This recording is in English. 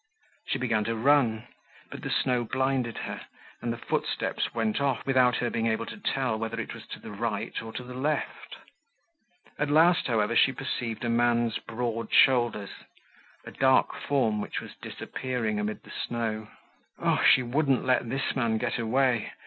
She began to run, but the snow blinded her, and the footsteps went off without her being able to tell whether it was to the right or to the left. At last, however, she perceived a man's broad shoulders, a dark form which was disappearing amid the snow. Oh! she wouldn't let this man get away.